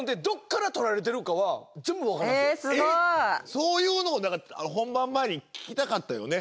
そういうのを何か本番前に聞きたかったよね。